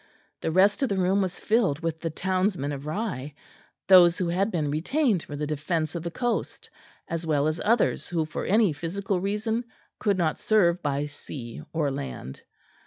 The rest of the room was filled with the townsmen of Rye those who had been retained for the defence of the coast, as well as others who for any physical reason could not serve by sea or land.